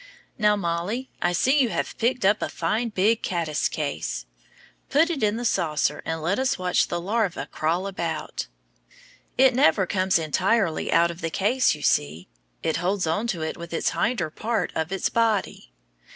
Now, Mollie, I see you have picked up a fine big caddice case. Put it in the saucer, and let us watch the larva crawl about. It never comes entirely out of the case, you see. It holds on to it with the hinder part of its body.